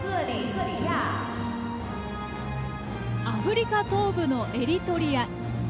アフリカ東部のエリトリア。